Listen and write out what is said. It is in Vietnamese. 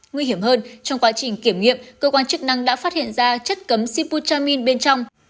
nguy hiểm hơn trong quá trình kiểm nghiệm cơ quan chức năng đã phát hiện ra chất cấm siputhamin bên trong